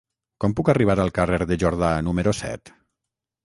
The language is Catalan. Com puc arribar al carrer de Jordà número set?